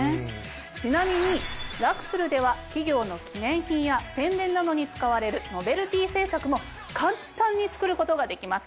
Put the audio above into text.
ちなみにラクスルでは企業の記念品や宣伝などに使われるノベルティ制作も簡単に作ることができます。